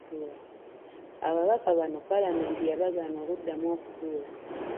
Ababaka bano palamenti yabagaana okuddamu okutuula